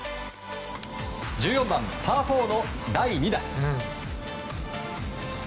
１４番、パー４の第２打。